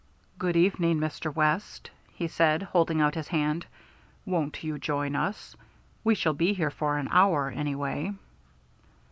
"Good evening, Mr. West," he said, holding out his hand. "Won't you join us? We shall be here for an hour, anyway."